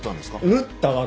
縫ったわけでは。